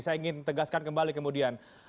saya ingin tegaskan kembali kemudian